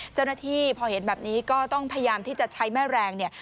เจ้าหน้าที่พอเห็นแบบนี้ก็ต้องพยายามที่จะใช้แม่แรงเนี่ย